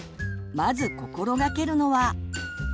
まず心がけるのは。